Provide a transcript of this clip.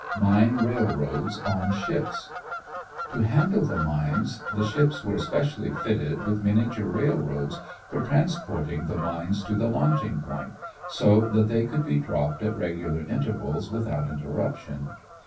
MINE RAILROADS ON SHIPS To handle the mines the ships were specially fitted with miniature railroads for transporting the mines to the launching point, so that they could be dropped at regular intervals without interruption.